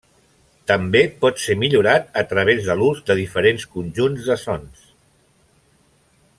També pot ser millorat a través de l'ús de diferents conjunts de sons.